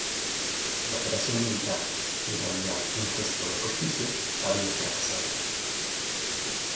La operación militar, en realidad un gesto de prestigio, había fracasado.